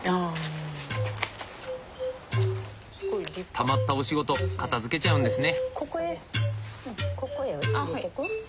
たまったお仕事片づけちゃうんですね。